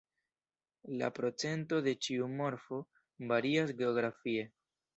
La procento de ĉiu morfo varias geografie.